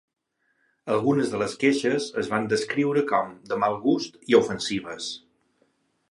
Algunes de les queixes es van descriure com "de mal gust i ofensives".